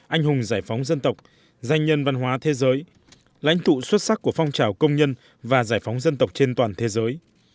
anh hùng giải phóng dân tộc danh nhân văn hóa thế giới lãnh thụ xuất sắc của phong trào công nhân và giải phóng dân tộc trên toàn thế giới